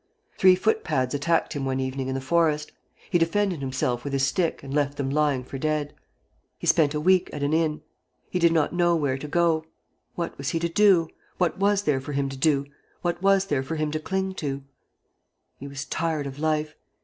Three foot pads attacked him one evening in the forest. He defended himself with his stick and left them lying for dead. ... He spent a week at an inn. He did not know where to go. ... What was he to do? What was there for him to cling to? He was tired of life.